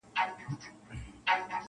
• نه په داد به څوك رسېږي د خوارانو -